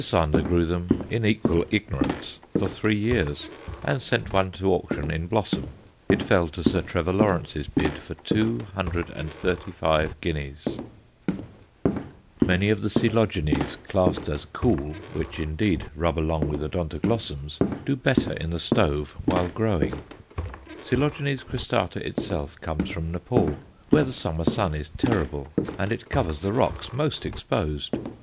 Sander grew them in equal ignorance for three years, and sent one to auction in blossom; it fell to Sir Trevor Lawrence's bid for 235 guineas. [Illustration: COELOGENE PANDURATA. Reduced to One Sixth] Many of the Coelogenes classed as cool, which, indeed, rub along with Odontoglossums, do better in the stove while growing. Coel. cristata itself comes from Nepaul, where the summer sun is terrible, and it covers the rocks most exposed.